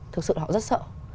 thực sự họ rất sợ